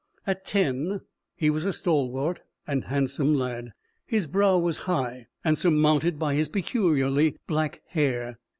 At ten he was a stalwart and handsome lad. His brow was high and surmounted by his peculiarly black hair.